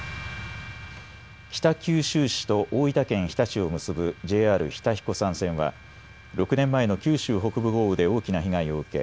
北九州市と大分県日田市を結ぶＪＲ日田彦山線は６年前の九州北部豪雨で大きな被害を受け